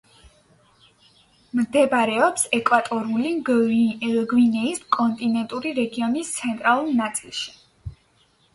მდებარეობს ეკვატორული გვინეის კონტინენტური რეგიონის ცენტრალურ ნაწილში.